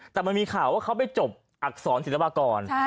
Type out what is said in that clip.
แต่มันมีข่าวว่าเขาไปจบอักษรศิลปากร